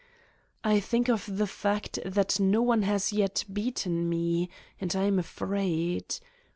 I think of the fact that no one has yet beaten me, and I am afraid.